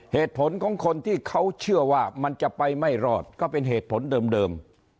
เหตุผลของคนที่เขาเชื่อว่ามันจะไปไม่รอดก็เป็นเหตุผลเดิม